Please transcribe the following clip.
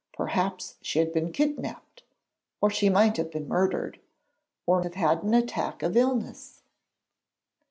Perhaps she had been kidnapped, or she might have been murdered, or have had an attack of illness.